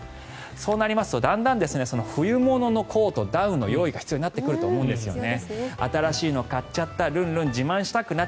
そうなりますとだんだん冬物のコート、ダウンが必要になってくると思うんですね。